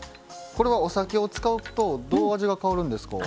お酒を使うとどう味が変わるんですか？